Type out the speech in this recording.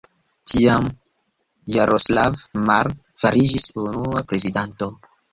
Tiam, Jaroslav Mar fariĝis unua prezidanto.